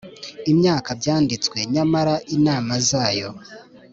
imyaka byanditswe Nyamara inama zayo